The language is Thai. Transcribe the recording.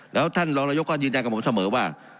แล้วท่านรองนายกก็ยืนยันกับผมเสมอว่า